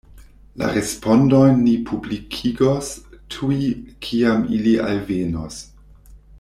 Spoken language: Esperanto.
La respondojn ni publikigos tuj kiam ili alvenos.